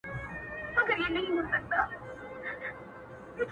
زه د غزل نازک ـ نازک بدن په خيال کي ساتم_